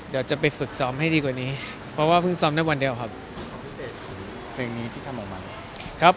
เดี๋ยวจะไปฝึกซ้อมให้ดีกว่านี้เพราะว่าเพิ่งซ้อมได้วันเดียวครับ